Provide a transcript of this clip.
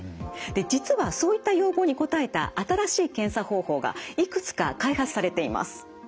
で実はそういった要望に応えた新しい検査方法がいくつか開発されています。